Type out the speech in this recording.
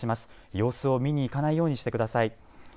様子を見に行かないようにしてください。